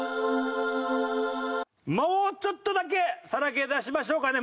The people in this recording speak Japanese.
もうちょっとだけさらけ出しましょうかね。